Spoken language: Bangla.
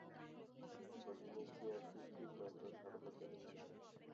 পলিনেশিয়ায় পিতৃতন্ত্র সার্বজনীন নয়।